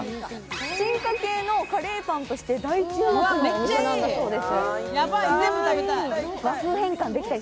進化形のカレーパンとして大注目なんだそうです。